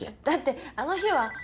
だってあの日は。